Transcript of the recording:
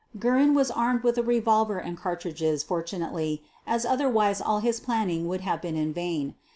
Guerin was armed with a revolver and cartridges, fortunately, as otherwise all his planning would have been in vain.